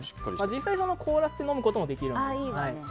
実際、凍らせて飲むこともできるので。